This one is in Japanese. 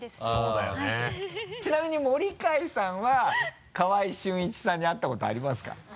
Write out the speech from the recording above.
ちなみに森開さんは川合俊一さんに会ったことありますか？